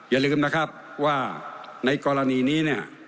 อย่าลืมนะครับว่าในกรณีนี้เนี่ย